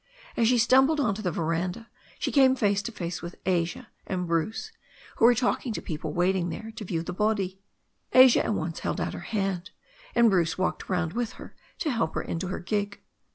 As she stum bled on to the veranda she came face to face with Asia and Bruce, who were talking to people waiting there to view the body. Asia at once held out her hand, and Bruce walked round with her to help her into her gig.